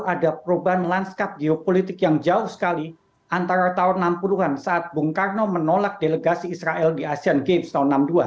ada perubahan landskap geopolitik yang jauh sekali antara tahun enam puluh an saat bung karno menolak delegasi israel di asean games tahun seribu sembilan ratus enam puluh dua